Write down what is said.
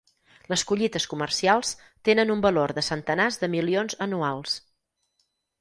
Les collites comercials tenen un valor de centenars de milions anuals.